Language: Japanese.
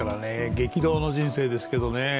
激動の人生ですけどね。